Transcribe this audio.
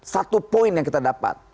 satu poin yang kita dapat